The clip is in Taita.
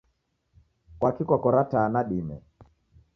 Kwakii kwakora taa nadime?